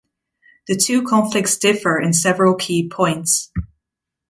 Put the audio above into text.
The two conflicts differ in several key points.